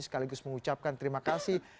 sekaligus mengucapkan terima kasih